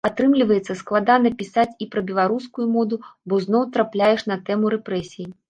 Атрымліваецца, складана пісаць і пра беларускую моду, бо зноў трапляеш на тэму рэпрэсій.